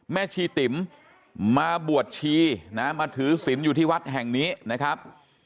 ชีติ๋มมาบวชชีนะมาถือศิลป์อยู่ที่วัดแห่งนี้นะครับ